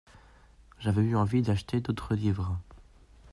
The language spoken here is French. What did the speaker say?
J’avais eu envie d’acheter d’autres livres.